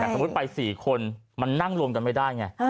สมมุติไป๔คนมันนั่งรวมกันไม่ได้ไง